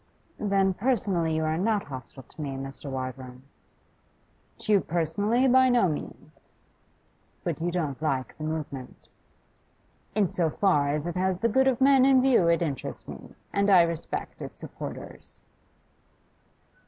'Then personally you are not hostile to me, Mr. Wyvern?' 'To you personally, by no means.' 'But you don't like the movement?' 'In so far as it has the good of men in view it interests me, and I respect its supporters.